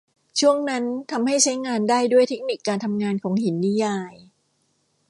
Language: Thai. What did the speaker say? ช่วงนั้นทำให้ใช้งานได้ด้วยเทคนิคการทำงานของหินนิยาย